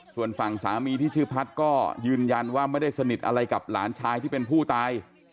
ส่วนฝั่งสามีที่ชื่อพัฒน์ก็ยืนยันว่าไม่ได้สนิทอะไรกับหลานชายที่เป็นผู้ตาย